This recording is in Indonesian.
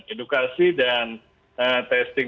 edukasi dan testing